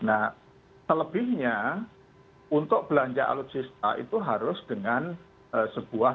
nah selebihnya untuk belanja alutsista itu harus dengan sebuah